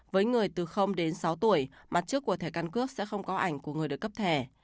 với người từ đến sáu tuổi mặt trước của thẻ căn cước sẽ không có ảnh của người được cấp thẻ